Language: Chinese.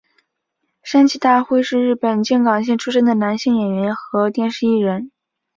山崎大辉是日本静冈县出生的男性演员和电视艺人。